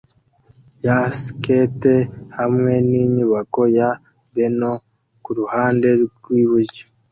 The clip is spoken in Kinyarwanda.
ya skate hamwe ninyubako ya Beno kuruhande rwiburyo